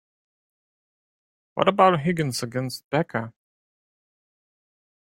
What about Higgins against Becca?